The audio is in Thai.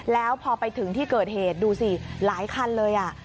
แล้วพอไปถึงที่เกิดเหตุดูสิหลายคันเลย